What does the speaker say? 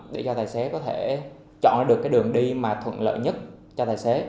để cho tài xế có thể chọn được cái đường đi mà thuận lợi nhất cho tài xế